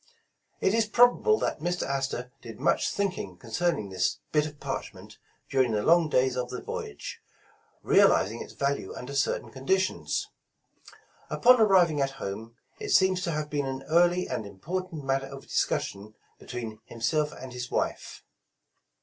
It is probable that Mr. Astor did much thinking concerning this bit of parchment during the long days of the voyage, realizing its value under certain condi tions. Upon arriving at home, it seems to have been an early and important matter of discussion between him self and his wife.